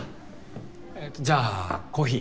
えっとじゃあコーヒー。